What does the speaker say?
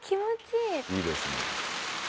いいですね。